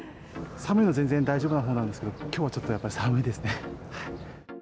寒いの全然大丈夫なほうなんですけど、きょうはちょっとやっぱり寒いですね。